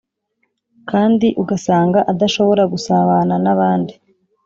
kandi ugasanga adashobora gusabana n abandi